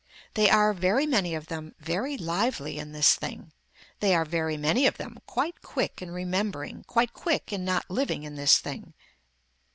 They are, very many of them, very lively in this thing. They are, very many of them quite quick in remembering, quite quick in not living in this thing.